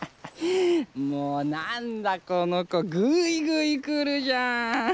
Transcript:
もう何だこの子ぐいぐい来るじゃん。